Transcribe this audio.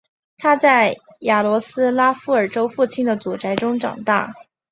他在雅罗斯拉夫尔州父亲的祖宅中长大。